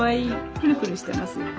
クルクルしてますね。